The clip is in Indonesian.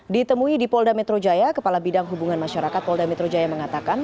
ditemui di polda metro jaya kepala bidang hubungan masyarakat polda metro jaya mengatakan